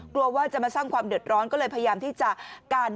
กลัวว่าจะมาสร้างความเดือดร้อนก็เลยพยายามที่จะกัน